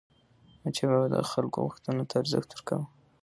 احمدشاه بابا د خلکو غوښتنو ته ارزښت ورکاوه.